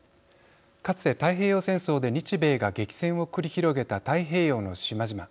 かつて太平洋戦争で日米が激戦を繰り広げた太平洋の島々。